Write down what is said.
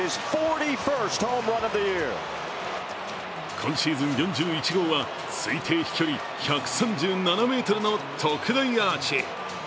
今シーズン４１号は推定飛距離１３７ｍの特大アーチ。